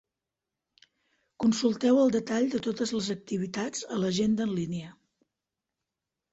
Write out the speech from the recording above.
Consulteu el detall de totes les activitats a l'agenda en línia.